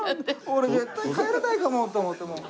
俺絶対帰れないかもって思ってもう。